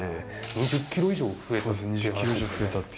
２０キロ以上増えたって。